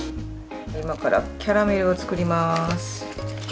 今からキャラメルを作ります。